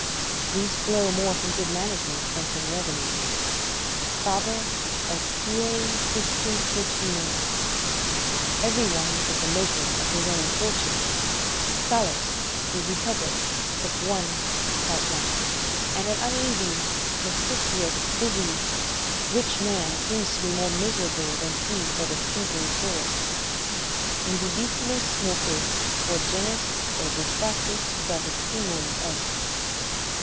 These flow more from good management than from revenue; "Faber est suae quisque fortunae" ["Every one is the maker of his own fortune." Sallust, De Repub. Ord., i. I.] and an uneasy, necessitous, busy, rich man seems to me more miserable than he that is simply poor. "In divitiis mopes, quod genus egestatis gravissimum est."